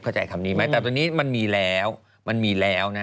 เข้าใจคำนี้ไหมแต่ตัวนี้มันมีแล้ว